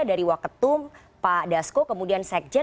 dari wak ketum pak dasko kemudian sekjen